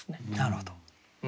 なるほど。